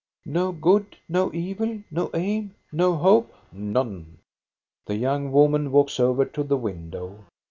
" No good, no evil, no aim, no hope?'^ " None." The young woman walks over to the window.